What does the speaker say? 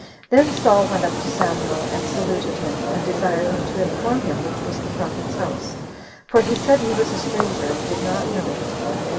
Then Saul went up to Samuel and saluted him, and desired him to inform him which was the prophet's house; for he said he was a stranger and did not know it.